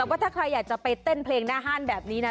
แต่ว่าถ้าใครอยากจะไปเต้นเพลงหน้าห้านแบบนี้นะ